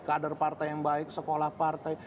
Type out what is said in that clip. kader partai yang baik sekolah partai